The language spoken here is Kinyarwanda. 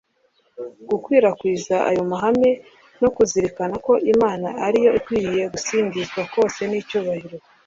gukwirakwiza ayo mahame no kuzirikana ko imana ari yo ikwiriye gusingizwa kose n’icyubahiro,